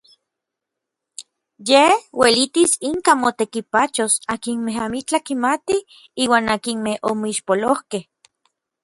Yej uelitis inka motekipachos akinmej amitlaj kimatij iuan akinmej omixpolojkej.